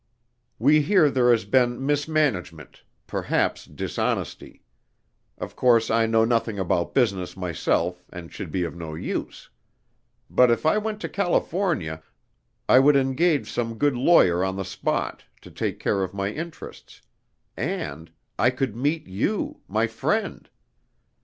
We hear there has been mismanagement perhaps dishonesty. Of course I know nothing about business myself, and should be of no use. But if I went to California, I would engage some good lawyer on the spot, to take care of my interests: and, I could meet you, my friend.